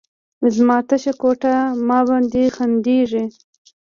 زما تشه کوټه، ما باندې خندیږې